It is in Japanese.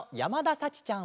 さちちゃん。